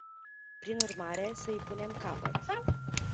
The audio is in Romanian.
Prin urmare, să îi punem capăt.